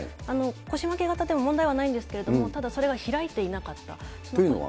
腰巻き型でも問題はないんですけれども、ただ、それが開いていなっていうのは？